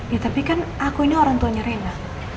ya tapi kan aku ini orang tuanya rena